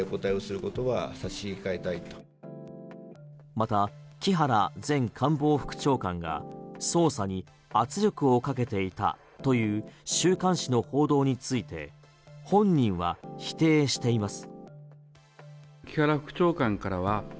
また、木原前官房副長官が捜査に圧力をかけていたという週刊誌の報道について本人は否定しています。